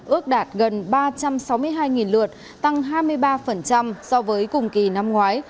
ước đạt gần ba trăm sáu mươi hai lượt tăng hai mươi ba so với cùng kỳ năm ngoái